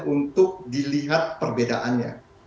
untuk dilihat perbedaannya